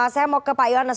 saya mau ke pak yones